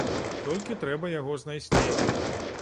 Толькі трэба яго знайсці.